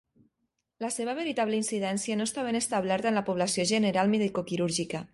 La seva veritable incidència no està ben establerta en la població general medicoquirúrgica.